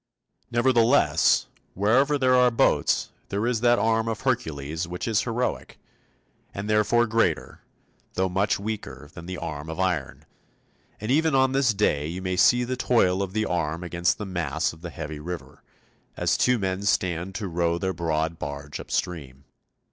Nevertheless, wherever there are boats there is that arm of Hercules which is heroic, and therefore greater, though much weaker, than the arm of iron; and even on this day you may see the toil of the arm against the mass of the heavy river, as two men stand to row their broad barge up stream.